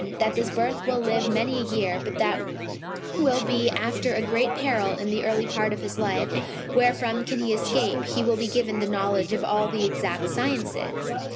that this birth will live many a year; but that will be after a great peril in the early part of his life, wherefrom can he escape, he will be given the knowledge of all the exact sciences."